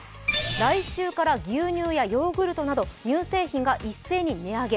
来週から牛乳やヨーグルトなど乳製品が一斉に値上げ。